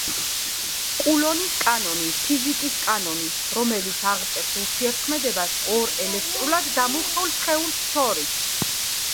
კულონის კანონი — ფიზიკის კანონი, რომელიც აღწერს ურთიერთქმედებას ორ ელექტრულად დამუხტულ სხეულს შორის.